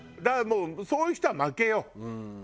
だからもうそういう人は負けよ。